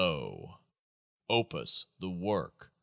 29 OP us, the Work